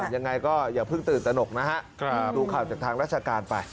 ยังไงก็อย่าเพิ่งตื่นตนกนะฮะดูข่าวจากทางราชการไป